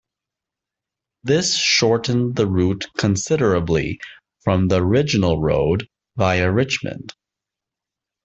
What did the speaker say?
This shortened the route considerably from the original road via Richmond.